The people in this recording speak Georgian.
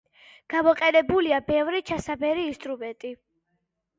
გამოყენებულია ბევრი ჩასაბერი ინსტრუმენტი.